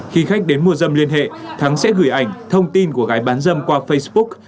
khi khách đến mua dâm liên hệ thắng sẽ gửi ảnh thông tin của gái bán dâm qua facebook